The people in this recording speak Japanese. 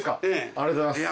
ありがとうございます。